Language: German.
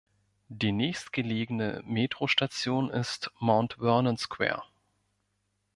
Die nächstgelegene Metrostation ist Mount Vernon Square.